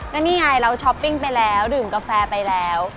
ก็นี่ไงเราช้อปปิ้งไปแล้วดื่มกาแฟไปแล้ว